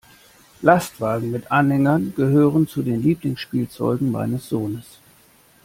Lastwagen mit Anhängern gehören zu den Lieblingsspielzeugen meines Sohnes.